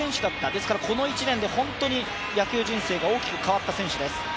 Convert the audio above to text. ですからこの１年で本当に野球人生が大きく変わった選手です。